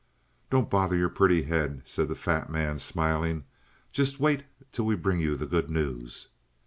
"Don't bother your pretty head," said the fat man, smiling. "Just wait till we bring you the good news."